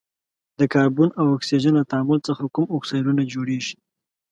د کاربن او اکسیجن له تعامل څخه کوم اکسایدونه جوړیږي؟